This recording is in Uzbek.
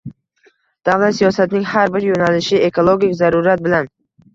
davlat siyosatining har bir yo‘nalishi ekologik zarurat bilan